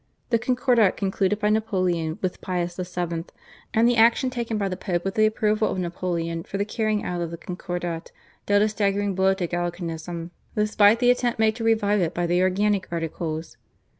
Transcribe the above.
The Concordat concluded by Napoleon with Pius VII. and the action taken by the Pope with the approval of Napoleon for the carrying out of the Concordat dealt a staggering blow to Gallicanism, despite the attempt made to revive it by the Organic Articles.